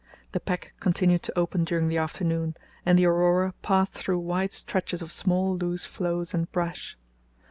The pack continued to open during the afternoon, and the Aurora passed through wide stretches of small loose floes and brash.